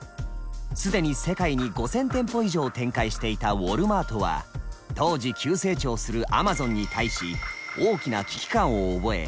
既に世界に５，０００店舗以上展開していたウォルマートは当時急成長するアマゾンに対し大きな危機感を覚え